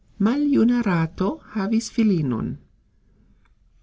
Maljuna rato havis filinon.